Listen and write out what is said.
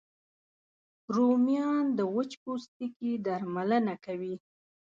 رومیان د وچ پوستکي درملنه کوي